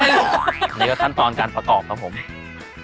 นี่เป็นขั้นตอนการประกอบครับผมประกอบงาน